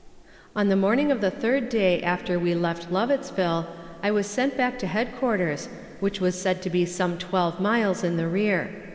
On the morning of the third day after we left Lovettsville I was sent back to headquarters, which was said to be some twelve miles in the rear.